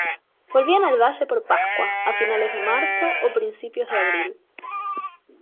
Volvían al valle por Pascua, a finales de marzo o principios de abril.